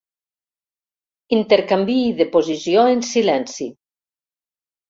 Intercanviï de posició en silenci.